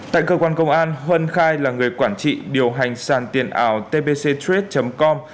tại cơ quan công an huân khai là người quản trị điều hành sàn tiền ảo tbcet com